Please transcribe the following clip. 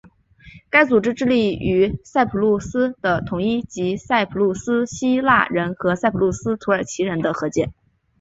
该组织致力于塞浦路斯的统一以及塞浦路斯希腊人和塞浦路斯土耳其人的和解。